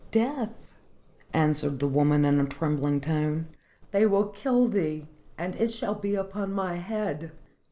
"Death," answered the woman in a trembling tone. "They will kill thee, and it shall be upon my head."